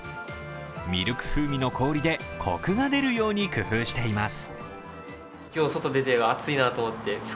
ミルク風味の氷でコクが出るように工夫しています。